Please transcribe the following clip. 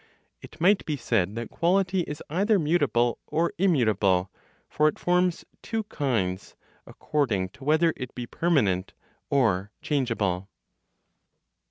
It might be said that quality is either mutable or immutable; for it forms two kinds, according to whether it be permanent or changeable.